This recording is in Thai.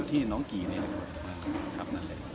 อยู่ที่น้องกี่นี่ครับ